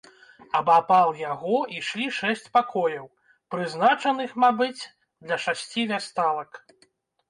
Абапал яго ішлі шэсць пакояў, прызначаных, мабыць, для шасці вясталак.